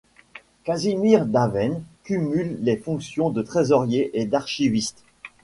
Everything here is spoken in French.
Casimir Davaine cumule les fonctions de trésorier et d'archiviste.